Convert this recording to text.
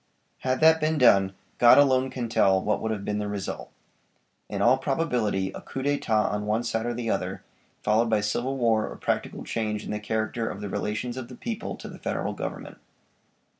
Had that been done God alone can tell what would have been the result. In all probability a coup d'etat on one side or the other, followed by civil war or practical change in the character of the relations of the people to the Federal Government.